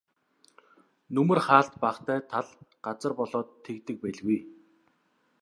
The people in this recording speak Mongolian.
Нөмөр хаалт багатай тал газар болоод тэгдэг байлгүй.